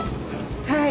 はい。